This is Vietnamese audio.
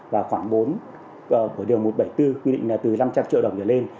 và khoảng bốn của điều một trăm bảy mươi bốn quy định là từ năm trăm linh triệu đồng trở lên